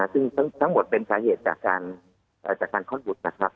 ซึ่งทั้งหมดเป็นสาเหตุจากการคลอดบุตรนะครับ